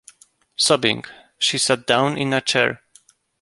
Sobbing, she sat down in a chair.